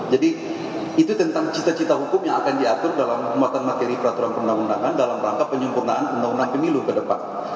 jadi itu tentang cita cita hukum yang akan diatur dalam pembuatan materi peraturan perundang undangan dalam rangka penyempurnaan undang undang pemilu ke depan